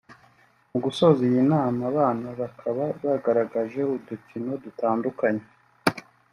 Mu gusoza iyi nama abana bakaba bagaragaje udukino dutandukanye